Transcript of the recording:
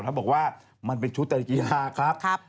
เขาบอกว่ามันเป็นชุดในกีฬาครับ